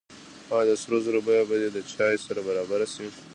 آیا د سرو زرو بیه به د چای سره برابره شي؟